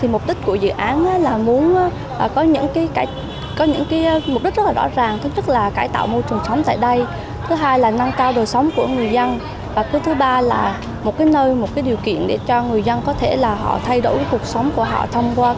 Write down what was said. mục đích của dự án là muốn có những mục đích rất rõ ràng thứ nhất là cải tạo môi trường sống tại đây thứ hai là nâng cao đời sống của người dân và thứ ba là một nơi một điều kiện để cho người dân có thể là họ thay đổi cuộc sống của họ thông qua